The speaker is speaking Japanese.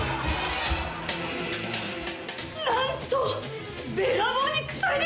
なんと！